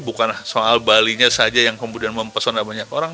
bukan soal balinya saja yang kemudian mempesona banyak orang